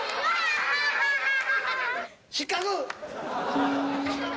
「失格」